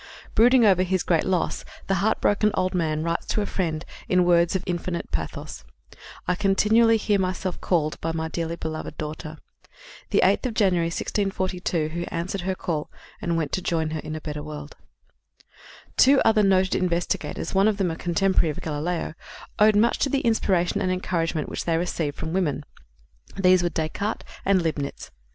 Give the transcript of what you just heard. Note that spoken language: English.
Brooding over his great loss, the heart broken old man writes to a friend in words of infinite pathos, "Mi sento continuamente chiamare della mia diletta figlioula I continually hear myself called by my dearly beloved daughter." The eighth of January, 1642, he answered her call and went to join her in a better world. Two other noted investigators, one of them a contemporary of Galileo, owed much to the inspiration and encouragement which they received from women. These were Descartes and Leibnitz.